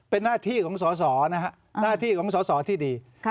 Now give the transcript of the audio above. เป็นหน้าที่ของสอสอนะฮะหน้าที่ของสอสอที่ดี